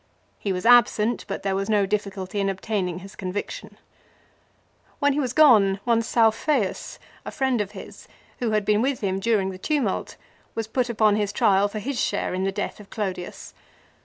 He was absent, but there was no difficulty in obtaining his conviction. When he was gone one Saufeius, a friend of his, who had been with him during the tumult, was put upon his trial for his share in the death of Clodius.